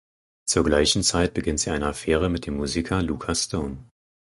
Zur gleichen Zeit beginnt sie eine Affäre mit dem Musiker Lucas Stone.